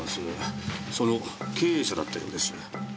その経営者だったようです。